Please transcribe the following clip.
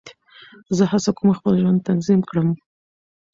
زه هڅه کوم خپل ژوند تنظیم کړم.